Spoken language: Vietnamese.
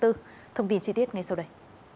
thông tin chi tiết ngay sau đây